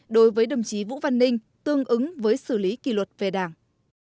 đối với đồng chí vũ văn ninh tương ứng với xử lý kỷ luật về đảng